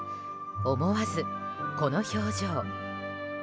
思わずこの表情。